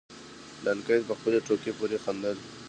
فلانکي په خپلې ټوکې پورې خندل.